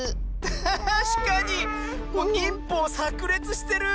たしかに！にんぽうさくれつしてる！